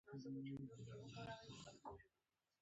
د هایزنبرګ اصول وایي چې موقعیت او سرعت په دقت نه شي پېژندل کېدلی.